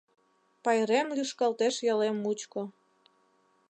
Пайрем лӱшкалтеш ялем мучко